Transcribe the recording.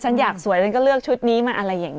ฉันอยากสวยฉันก็เลือกชุดนี้มาอะไรอย่างนี้